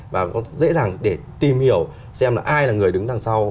và dễ dàng để tìm hiểu xem là ai là người đứng đằng sau